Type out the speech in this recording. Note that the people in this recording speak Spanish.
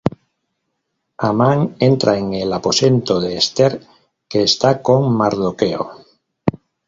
Amán entra en el aposento de Ester, que está con Mardoqueo.